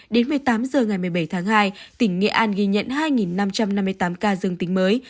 đến một mươi tám h ngày một mươi bảy tháng hai tỉnh nghệ an ghi nhận hai năm trăm năm mươi tám ca dương tính mới